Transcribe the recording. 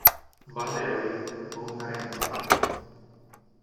Valerij Bondarenko